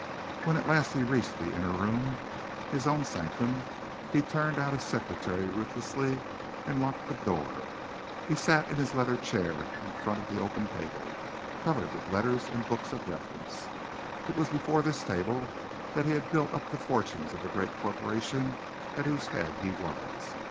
When at last he reached the inner room, his own sanctum, he turned out his secretary ruthlessly, and locked the door. He sat in his leather chair in front of the open table, covered with letters and books of reference. It was before this table that he had built up the fortunes of the great corporation at whose head he was.